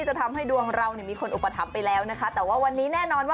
ใช่แบบนี้